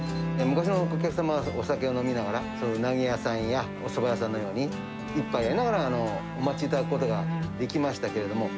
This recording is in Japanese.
昔のお客様はお酒を飲みながら、うなぎ屋さんやおそば屋さんのように、一杯やりながらお待ちいただくことができましたけれども。